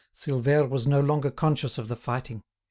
Silvère was no longer conscious of the fighting.